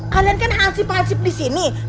kalian kan ansip ansip di sini